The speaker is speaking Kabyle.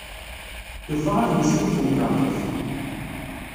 Tufa adlis-nni deg temkarḍit.